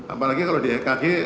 apalagi kalau di ekg